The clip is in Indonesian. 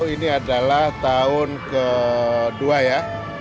ini adalah tahun kedua ya